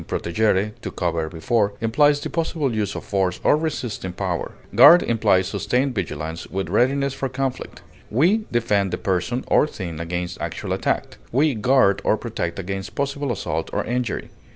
protegere, to cover before) implies the possible use of force or resisting power; guard implies sustained vigilance with readiness for conflict; we defend a person or thing against actual attack; we guard or protect against possible assault or injury.